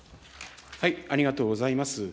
ありがとうございます。